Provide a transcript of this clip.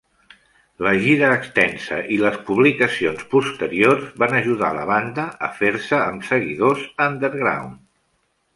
La gira extensa i les publicacions posteriors van ajudar la banda a fer-se amb seguidors underground.